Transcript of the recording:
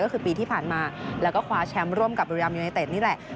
ก็คือปีที่ผ่านมาแล้วก็คว้าแชมป์ร่วมกับบริรามยูไนเต็ดนี่แหละ